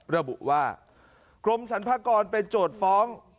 ระบุว่ากรมสรรพากรเป็นโจทย์ฟ้อง